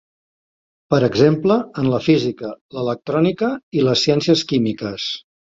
Per exemple, en la física, l'electrònica i les ciències químiques.